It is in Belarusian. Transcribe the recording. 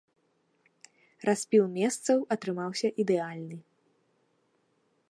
Распіл месцаў атрымаўся ідэальны.